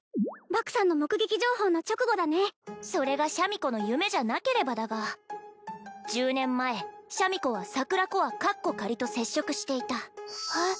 バクさんの目撃情報の直後だねそれがシャミ子の夢じゃなければだが１０年前シャミ子は桜コアと接触していたえっ？